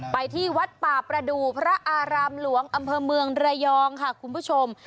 ไปที่วัดป่าประดูกพระอารามหลวงอำเภอเมืองระยองค่ะคุณผู้ชม